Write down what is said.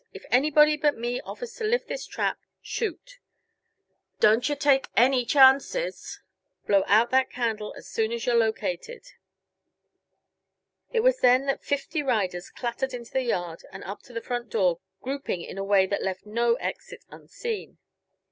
"If anybody but me offers to lift this trap, shoot. Don't yuh take any chances. Blow out that candle soon as you're located." It was then that fifty riders clattered into the yard and up to the front door, grouping in a way that left no exit unseen.